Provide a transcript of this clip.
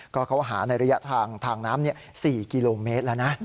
ก็เขาหาในระยะทางทางน้ำ๔กิโลเมตรแล้วนะ